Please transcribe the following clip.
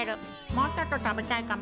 もうちょっと食べたいかも。